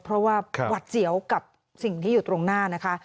เพราะว่าหวัดเสียวกับสิ่งที่อยู่ตรงหน้านะคะ